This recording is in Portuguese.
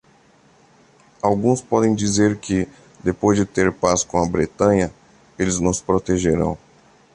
Alguns podem dizer que, depois de ter paz com a Bretanha, eles nos protegerão.